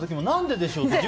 何ででしょう。